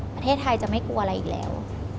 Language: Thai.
ประเทศไทยจะไม่กลัวอะไรอีกแล้ว